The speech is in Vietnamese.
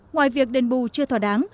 ngoài việc đền bù chưa thỏa đáng